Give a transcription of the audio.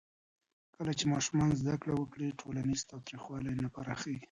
کله چې ماشومان زده کړه وکړي، ټولنیز تاوتریخوالی نه پراخېږي.